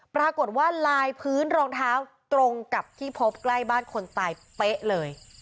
ปรากฏว่าลายพื้นรองเท้าตรงกับที่พบใกล้บ้านคนตายเป๊ะเลย